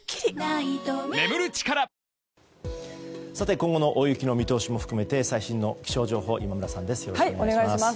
今後の大雪の見通しも含めて最新の気象情報、今村さんです。